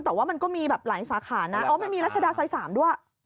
แต่ว่ามันก็มีหลายสาขานะไม่มีรัชดาไซส์๓ด้วย